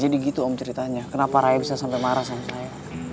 jadi gitu om ceritanya kenapa raya bisa sampai marah sama saya